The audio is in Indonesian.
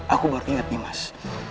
aku baru ingat nih mas